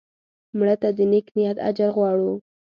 مړه ته د نیک نیت اجر غواړو